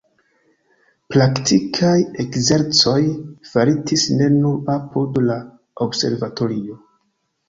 Praktikaj ekzercoj faritis ne nur apud la observatorio.